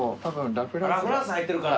ラフランス入ってるから。